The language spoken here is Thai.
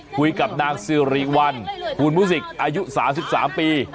คุยกับนางสิริวัลภูนมุสิกอายุ๓๓ปี